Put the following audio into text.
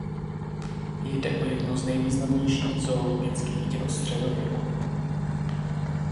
Jde o jedno z nejvýznamnějších zoologických děl středověku.